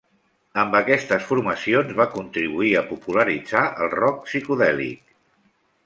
Amb aquestes formacions, va contribuir a popularitzar el rock psicodèlic.